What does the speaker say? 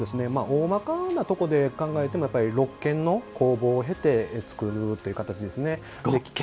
おおまかなところで考えても６件の工房を経て作るという形ですね。